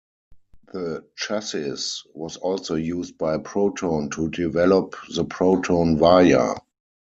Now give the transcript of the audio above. The chassis was also used by Proton to develop the Proton Waja.